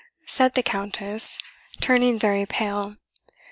said the Countess, turning very pale.